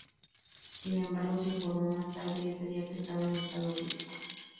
Sin embargo, se informó más tarde ese día que estaba en estado crítico.